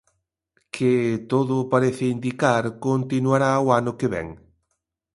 Que, todo parece indicar, continuará o ano que vén.